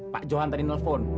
pak johan tadi nelfon